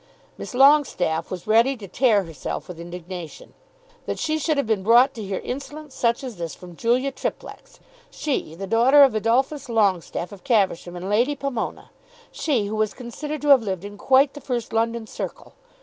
Miss Longestaffe was ready to tear herself with indignation. That she should have been brought to hear insolence such as this from Julia Triplex, she, the daughter of Adolphus Longestaffe of Caversham and Lady Pomona; she, who was considered to have lived in quite the first London circle!